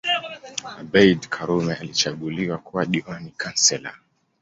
Abeid Karume alichaguliwa kuwa diwani Councillor